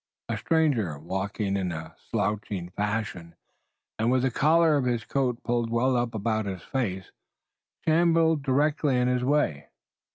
A stranger, walking in slouching fashion, and with the collar of his coat pulled well up about his face, shambled directly in his way.